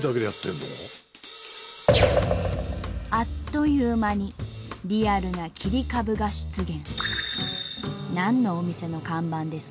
あっという間にリアルな切り株が出現。